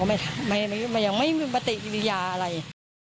เขาก็ไม่มีพฤติหรือยาอะไร